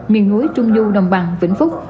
miền núi trung du đồng bằng vịnh phúc